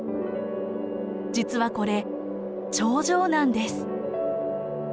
実はこれ長城なんです。